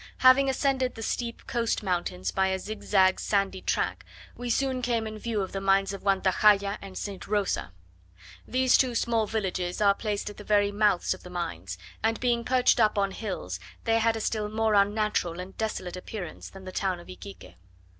Having ascended the steep coast mountains by a zigzag sandy track, we soon came in view of the mines of Guantajaya and St. Rosa. These two small villages are placed at the very mouths of the mines; and being perched up on hills, they had a still more unnatural and desolate appearance than the town of Iquique.